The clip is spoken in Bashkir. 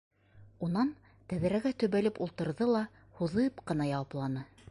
Унан тәҙрәгә төбәлеп ултырҙы ла һуҙып ҡына яуапланы: